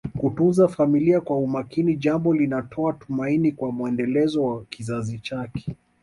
Kutunza familia kwa umakini jambo linatoa tumaini kwa mwendelezo wa kizazi chake